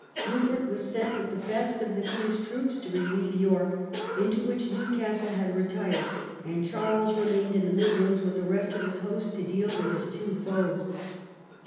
Rupert was sent with the best of the king's troops to relieve York, into which Newcastle had retired, and Charles remained in the Midlands with the rest of his host to deal with his two foes.